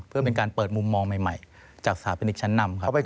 เพื่อเป็นการเปิดมุมมองใหม่จากสถาปนิกชั้นนำครับ